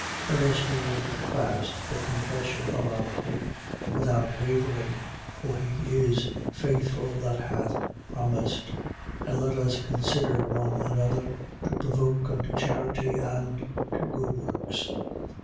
10:23. Let us hold fast the confession of our hope without wavering (for he is faithful that hath promised): 10:24. And let us consider one another, to provoke unto charity and to good works: 10:25.